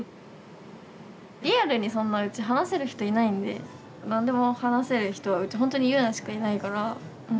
リアルにそんなうち話せる人いないんで何でも話せる人はうちほんとにゆうなしかいないから。